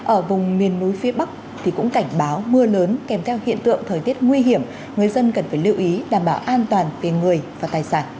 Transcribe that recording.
ở vùng miền núi phía bắc cũng cảnh báo mưa lớn kèm theo hiện tượng thời tiết nguy hiểm người dân cần phải lưu ý đảm bảo an toàn về người và tài sản